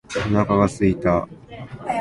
お腹が空いた。